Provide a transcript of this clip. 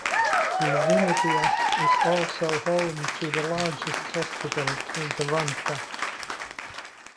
Llwynypia is also home to the largest hospital in the Rhondda.